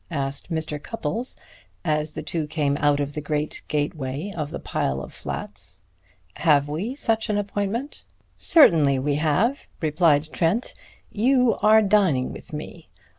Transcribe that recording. asked Mr. Cupples as the two came out of the great gateway of the pile of flats. "Have we such an appointment?" "Certainly we have," replied Trent. "You are dining with me.